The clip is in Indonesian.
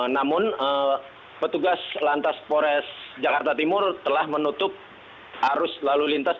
namun petugas lantas pores jakarta timur telah menutup arus lalu lintas